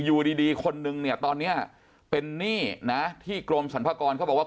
อยู่ดีคนนึงเนี่ยตอนเนี้ยเป็นหนี้นะที่กรมสรรพากรเขาบอกว่า